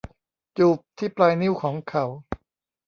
จูบที่ปลายนิ้วของเขา